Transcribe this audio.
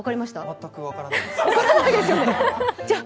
全く分からないです。